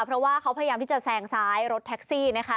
เพราะว่าเขาพยายามที่จะแซงซ้ายรถแท็กซี่นะคะ